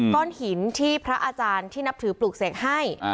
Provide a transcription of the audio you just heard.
ก้อนหินที่พระอาจารย์ที่นับถือปลูกเสกให้